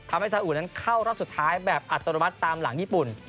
สาอุนั้นเข้ารอบสุดท้ายแบบอัตโนมัติตามหลังญี่ปุ่น